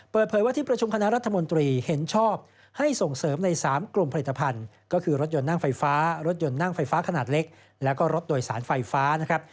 เปิดเผยว่าที่ประชุมคณะรัฐมนตรีเห็นชอบให้ส่งเสริมใน๓กลุ่มผลิตภัณฑ์ก็คือรถยนต์นั่งไฟฟ้ารถยนต์นั่งไฟฟ้าขนาดเล็กแล้วก็รถโดยสารไฟฟ้านะครับ